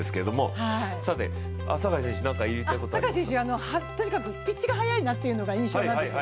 坂井選手、とにかくピッチが速いなというのが印象的なんです。